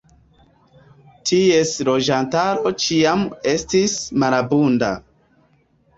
Ties loĝantaro ĉiam estis malabunda.